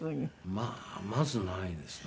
まあまずないですね。